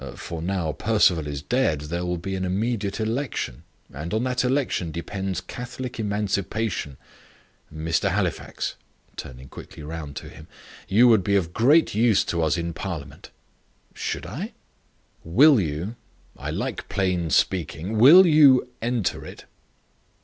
For now Perceval is dead there will be an immediate election; and on that election depends Catholic Emancipation. Mr. Halifax," turning quickly round to him, "you would be of great use to us in parliament." "Should I?" "Will you I like plain speaking will you enter it?"